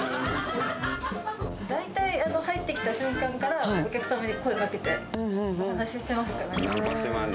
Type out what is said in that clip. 大体入ってきた瞬間から、お客様に声かけてお話ししてますかね。